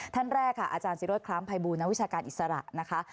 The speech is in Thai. ท่านแรกค่ะอาจารย์ศิโรธคล้ามภัยบูรณวิชาการอิสระนะคะ